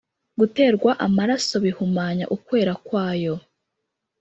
Guterwa amaraso bihumanya ukwera kwayo